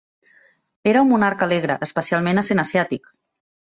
Era un monarca alegre, especialment essent asiàtic.